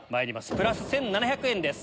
プラス１７００円です。